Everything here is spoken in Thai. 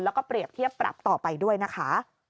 แล้วก็เปรียบเทียบปรับต่อไปด้วยนะคะ